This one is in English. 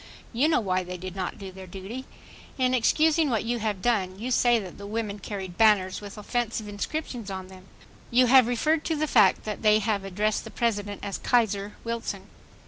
You know why they did not do their duty. In excusing what you have done, you say that the women carried banners with "offensive" inscriptions on them. You refer to the fact that they have addressed the President as "Kaiser Wilson."